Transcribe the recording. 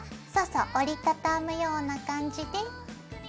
そうそう折り畳むような感じで。